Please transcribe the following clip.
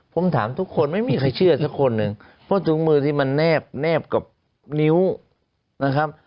ผมถามทุกคนไม่มีใครเชื่อสักคนหนึ่งเพราะถุงมือที่มันแนบแนบกับนิ้วนะครับ